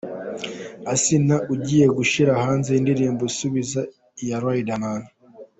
Asinah ugiye gushyira hanze indirimbo isubiza iya Riderman .